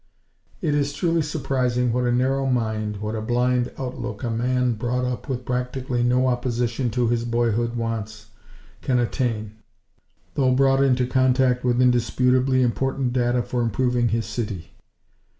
It is truly surprising what a narrow mind, what a blind outlook a man, brought up with practically no opposition to his boyhood wants, can attain; though brought into contact with indisputably important data for improving his city.